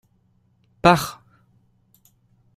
Pars !